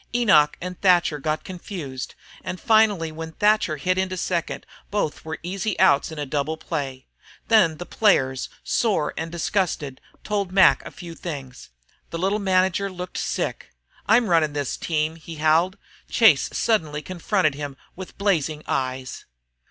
Enoch and Thatcher got confused, and finally when Thatcher hit into second both were easy outs in a double play. Then the players, sore and disgusted, told Mac a few things. The little manager looked sick. "I'm runnin' this team," he howled. Chase suddenly confronted him with blazing eyes.